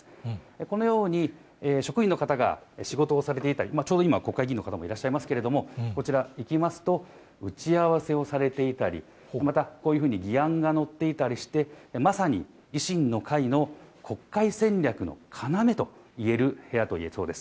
このように、職員の方が仕事をされていたり、ちょうど今、国会議員の方もいらっしゃいますけれども、こちら、行きますと、打ち合わせをされていたり、またこういうふうに議案が載っていたりして、まさに維新の会の国会戦略の要と言える部屋といえそうです。